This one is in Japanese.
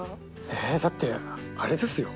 えだってあれですよ。